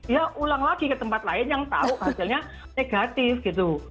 ya ulang lagi ke tempat lain yang tahu hasilnya negatif gitu